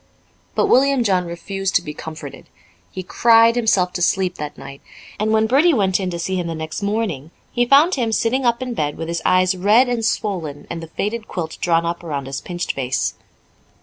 But William John refused to be comforted. He cried himself to sleep that night, and when Bertie went in to see him next morning, he found him sitting up in bed with his eyes red and swollen and the faded quilt drawn up around his pinched face.